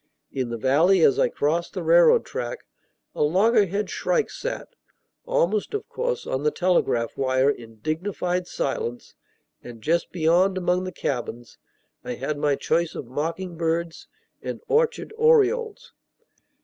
In the valley, as I crossed the railroad track, a loggerhead shrike sat, almost of course, on the telegraph wire in dignified silence; and just beyond, among the cabins, I had my choice of mocking birds and orchard orioles.